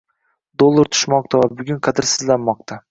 Dollar tushmoqda va bugun qadrsizlanmoqda